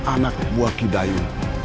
anak buah kidayo